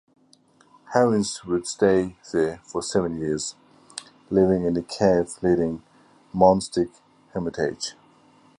Hilarion would stay there for seven years living in the cave leading monastic hermitage.